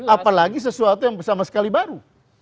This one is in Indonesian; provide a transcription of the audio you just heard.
apalagi sesuatu yang sama sekali baru